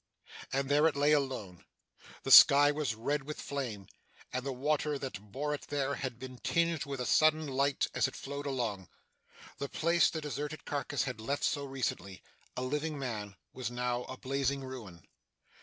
And there it lay alone. The sky was red with flame, and the water that bore it there had been tinged with the sullen light as it flowed along. The place the deserted carcass had left so recently, a living man, was now a blazing ruin.